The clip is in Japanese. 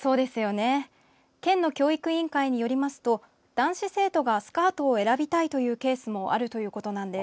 県の教育委員会によりますと男子生徒がスカートを選びたいというケースもあるということなんです。